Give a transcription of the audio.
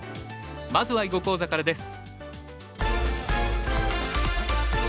まずは囲碁講座からです。